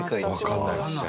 わからないですね。